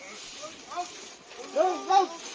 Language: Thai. โน้ท